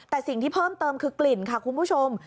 แต่สิ่งที่เพิ่มเติมคือกลิ่นค่ะคุณผู้ชม